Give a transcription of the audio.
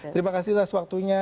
terima kasih atas waktunya